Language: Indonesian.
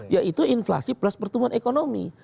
yaitu inflasi plus pertumbuhan ekonomi